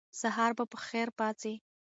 سهار به په خیر پاڅئ.